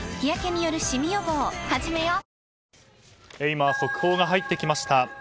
今、速報が入ってきました。